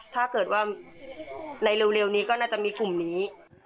ถ้าเกิดว่าในเร็วนี้ก็น่าจะมีกลุ่มนี้